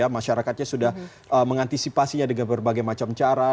masyarakatnya sudah mengantisipasinya dengan berbagai macam cara